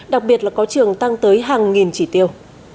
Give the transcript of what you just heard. đặc biệt là có trường tăng tới hàng nghìn chỉ tiêu